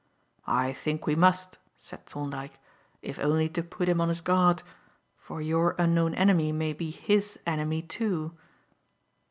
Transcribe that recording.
"I think we must," said Thorndyke, "if only to put him on his guard; for your unknown enemy may be his enemy, too."